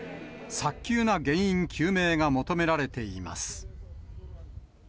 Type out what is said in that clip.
早急な原因究明が求められています。